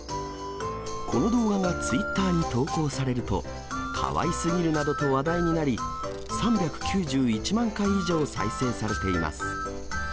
この動画がツイッターに投稿されると、かわいすぎるなどと話題になり、３９１万回以上再生されています。